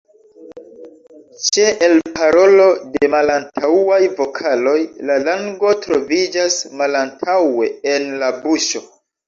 Ĉe elparolo de malantaŭaj vokaloj la lango troviĝas malantaŭe en la buŝo.